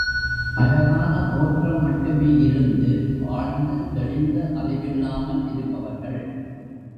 அழகான தோற்றம் மட்டுமே இருந்து, ஆழ்ந்து தெளிந்த அறிவில்லாமல் இருப்பவர்கள்